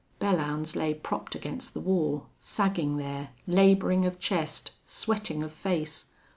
Belllounds lay propped against the wall, sagging there, laboring of chest, sweating of face.